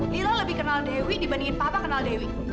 nira lebih kenal dewi dibandingin papa kenal dewi